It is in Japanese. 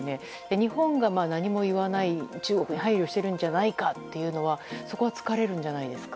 日本が何も言わない中国に配慮しているんじゃないかということは突かれるんじゃないですか。